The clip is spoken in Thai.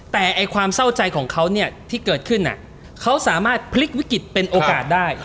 แต่ความเศร้าใจของเขาเนี่ยที่เกิดขึ้นเขาสามารถพลิกวิกฤตเป็นโอกาสได้